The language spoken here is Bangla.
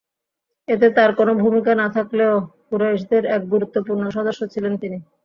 এতে তার কোন ভূমিকা না থাকলেও কুরাইশদের এক গুরুত্বপূর্ণ সদস্য ছিলেন তিনি।